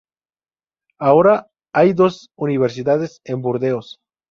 Ahora hay dos universidades en Burdeos.